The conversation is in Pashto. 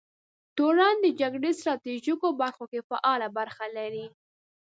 تورن د جګړې ستراتیژیکو برخو کې فعاله برخه لري.